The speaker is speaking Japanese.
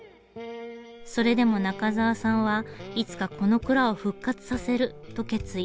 それでも中沢さんは「いつかこの蔵を復活させる！」と決意。